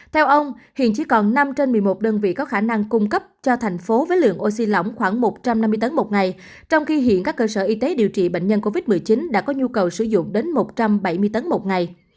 theo ông hiện chỉ còn năm trên một mươi một đơn vị có khả năng cung cấp cho thành phố với lượng oxy lỏng khoảng một trăm năm mươi tấn một ngày trong khi hiện các cơ sở y tế điều trị bệnh nhân covid một mươi chín đã có nhu cầu sử dụng đến một trăm bảy mươi tấn một ngày